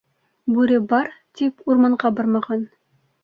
Бүре бар, тип, урманға бармаған.